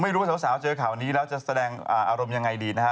ไม่รู้ว่าสาวเจอข่าวนี้แล้วจะแสดงอารมณ์ยังไงดีนะฮะ